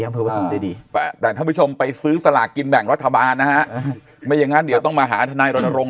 ไหนอ่ะรใจดีแต่ให้ผู้ชมไปซื้อสลากินแบ่งวัฒนามามีอย่างงั้นเดี๋ยวต้องมาหาทนายลโรง